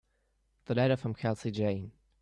The letter from Kelsey Jane.